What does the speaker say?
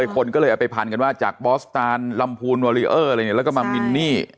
คนก็เลยเอาไปพันกันว่าจากบอสตานลำพูนวอเรอร์แล้วก็มามินนี่